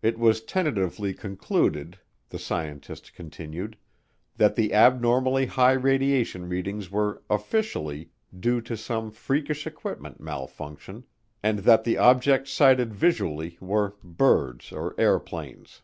It was tentatively concluded, the scientist continued, that the abnormally high radiation readings were "officially" due to some freakish equipment malfunction and that the objects sighted visually were birds or airplanes.